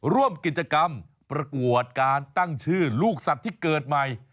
ร่วมกิจกรรมประกวดการตั้งชื่อลูกสัตว์ที่เกิดใหม่